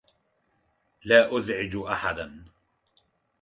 لا أزعج أحداً.